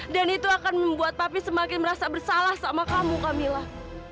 dan itu akan membuat papi semakin merasa bersalah sama kamu kamilah